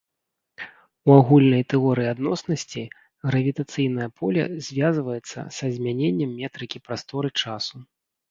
У агульнай тэорыі адноснасці гравітацыйнае поле звязваецца са змяненнем метрыкі прасторы-часу.